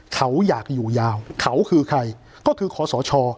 เขาอยากอยู่ยาวเขาคือใครก็คือคอสช